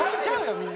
みんな。